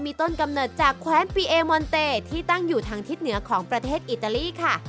ต้นกำเนิดจากแคว้นปีเอมอนเตที่ตั้งอยู่ทางทิศเหนือของประเทศอิตาลีค่ะ